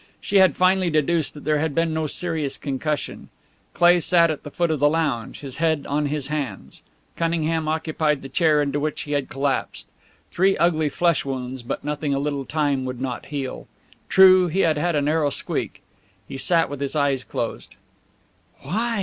She had finally deduced that there had been no serious concussion. Cleigh sat at the foot of the lounge, his head on his hands. Cunningham occupied the chair into which he had collapsed. Three ugly flesh wounds, but nothing a little time would not heal. True, he had had a narrow squeak. He sat with his eyes closed. "Why?"